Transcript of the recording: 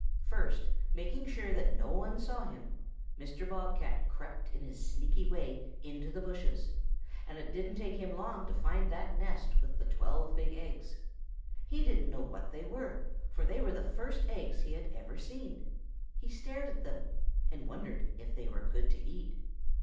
"First making sure that no one saw him, Mr. Bob cat crept in his sneaky way into the bushes, and it didn't take him long to find that nest with the twelve big eggs. He didn't know what they were, for they were the first eggs he had ever seen. He stared at them and wondered if they were good to eat.